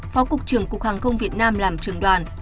phó cục trưởng cục hàng không việt nam làm trường đoàn